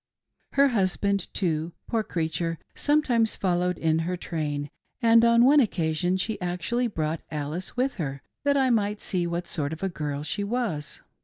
Her husband, too, poor creature, some times followed in her train, and on one occasion she actually brought Alice with her that I might see what sort of a girl she was.